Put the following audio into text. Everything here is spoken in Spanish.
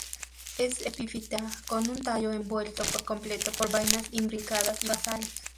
Es epífita con un tallo envuelto por completo por vainas imbricadas y basales.